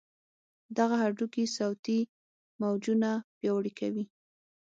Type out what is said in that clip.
دغه هډوکي صوتي موجونه پیاوړي کوي.